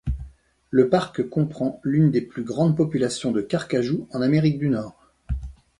Le parc comprend l'une des plus grandes populations de carcajou en Amérique du Nord.